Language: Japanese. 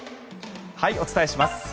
はい、お伝えします。